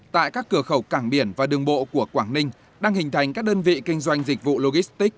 tại các cửa khẩu cảng biển và đường bộ của quảng ninh đang hình thành các đơn vị kinh doanh dịch vụ logistic